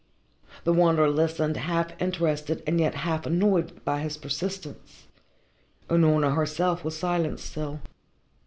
The Wanderer listened, half interested and yet half annoyed by his persistence. Unorna herself was silent still.